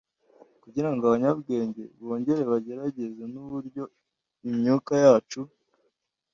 Kugirango abanyabwenge bongere bagerageze nuburyo imyuka yacu